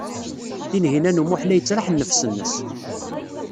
Tinhinan u Muḥ la yettraḥ nnefs-nnes.